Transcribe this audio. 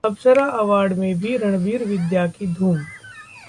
अप्सरा award में भी रणबीर, विद्या की धूम